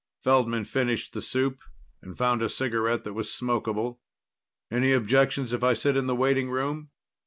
Feldman finished the soup, and found a cigarette that was smokable. "Any objections if I sit in the waiting room?"